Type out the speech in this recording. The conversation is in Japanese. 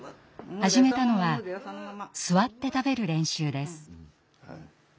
始めたのは座って食べる練習です。